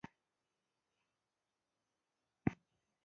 زردالو د افغانستان د جغرافیایي موقیعت پایله ده.